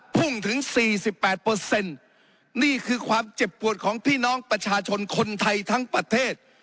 พุ่งถึงสี่สิบแปดเปอร์เซ็นต์นี่คือความเจ็บปวดของพี่น้องประชาชนคนไทยทั้งประเทศ